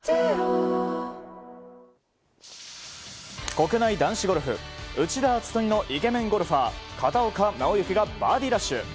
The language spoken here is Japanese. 国内男子ゴルフ内田篤人似のイケメンゴルファー片岡尚之がバーディーラッシュ。